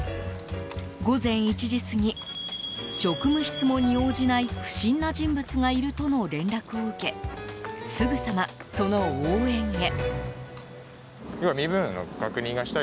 午前１時過ぎ職務質問に応じない不審な人物がいるとの連絡を受けすぐさま、その応援へ。